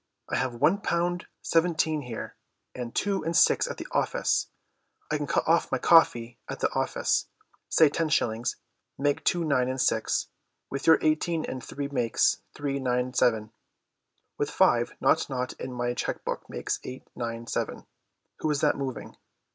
"I have one pound seventeen here, and two and six at the office; I can cut off my coffee at the office, say ten shillings, making two nine and six, with your eighteen and three makes three nine seven, with five naught naught in my cheque book makes eight nine seven—who is that moving?